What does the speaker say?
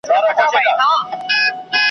دا کیسې چي دي لیکلي زموږ د ښار دي ,